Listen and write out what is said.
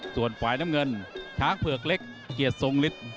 ส่วนฝ่ายน้ำเงินช้างเผือกเล็กเกียรติทรงฤทธิ์